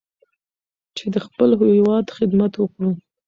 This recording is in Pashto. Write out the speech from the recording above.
چې د خپل هېواد خدمت وکړو.